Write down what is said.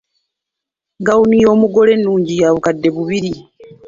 Gawuni y’omugole ennungi ya bukaddde bubiri.